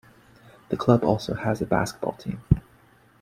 The club also has a basketball team.